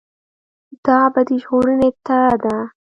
دا ابدي ژغورنې ته ده.